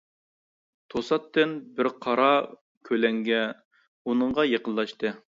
توساتتىن بىر قارا كۆلەڭگە ئۇنىڭغا يېقىنلاشتى.